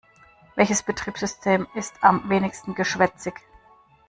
Welches Betriebssystem ist am wenigsten geschwätzig?